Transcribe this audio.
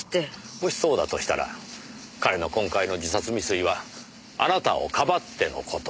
もしそうだとしたら彼の今回の自殺未遂はあなたをかばってのこと。